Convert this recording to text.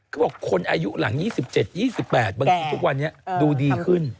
เขาบอกคนอายุหลัง๒๗๒๘บางทีทุกวันนี้ดูดีขึ้น